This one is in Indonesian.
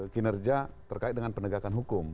kinerja terkait dengan penegakan hukum